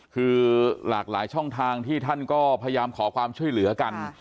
คือหลากหลายช่องทางที่ท่านก็พยายามขอความช่วยเหลือกัน